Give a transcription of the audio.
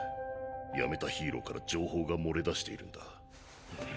辞めたヒーローから情報が漏れ出しているんだ。